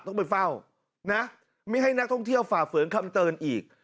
ต้องไปเฝ้านะไม่ให้นักท่องเที่ยวฝ่าฝืนคำเตือนอีก